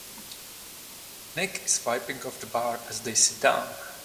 Nick is wiping off the bar as they sit down.